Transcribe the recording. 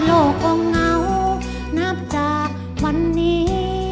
โลกก็เหงานับจากวันนี้